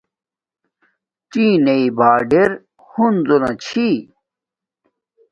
چینݵ باڑر ہنزو نا چھی